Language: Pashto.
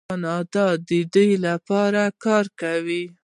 کاناډا د دې لپاره کار کوي.